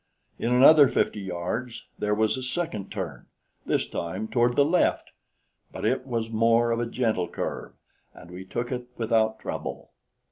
In another fifty yards there was a second turn, this time toward the left! but it was more of a gentle curve, and we took it without trouble.